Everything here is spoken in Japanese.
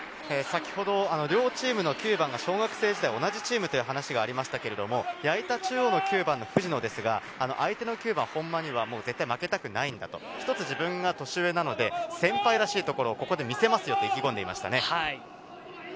先ほど両チームの９番が小学生時代、同じチームという話がありましたけれど、矢板中央の９番の藤野ですが、相手の９番・本間には絶対負けたくない、１つ自分が年上なので先輩らしいところをここで見せますよと意気込んでいましたね。